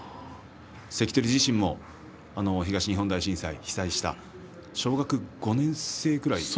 関取自身も東日本大震災被災して小学５年生くらいですか？